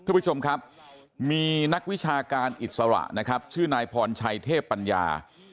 คุณผู้ชมครับมีนักวิชาการอิสระนะครับชื่อนายพรชัยเทพปัญญา